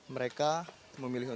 mereka memilih untuk